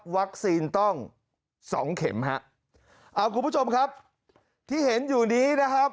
ต้องสองเข็มฮะอ่าคุณผู้ชมครับที่เห็นอยู่นี้นะครับ